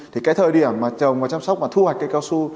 thì cái thời điểm mà trồng và chăm sóc và thu hoạch cây cao su